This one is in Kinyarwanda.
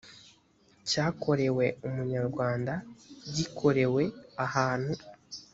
cyakorewe umunyarwanda gikorewe ahantu